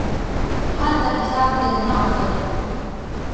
هلته حساب دی، نه عذر.